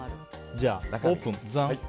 じゃあ、オープン。